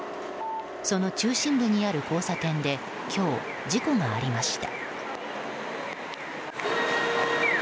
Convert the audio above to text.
その中心部にある交差点で今日、事故がありました。